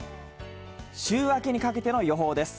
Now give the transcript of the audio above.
週明けにかけての予報です。